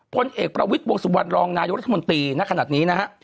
พลเอกประวิทย์วงสุวรรณรองนายกรัฐมนตรีณขณะนี้นะฮะ